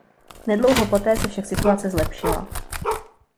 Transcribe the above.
Nedlouho poté se však situace zlepšila.